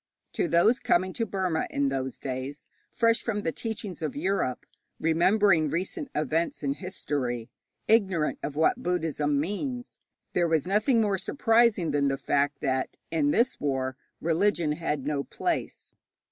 To those coming to Burma in those days, fresh from the teachings of Europe, remembering recent events in history, ignorant of what Buddhism means, there was nothing more surprising than the fact that in this war religion had no place.